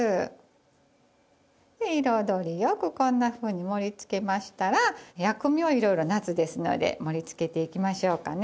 彩りよくこんなふうに盛りつけましたら薬味をいろいろ夏ですので盛りつけていきましょうかね。